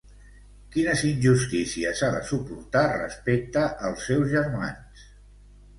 Quines injustícies ha de suportar respecte als seus germans?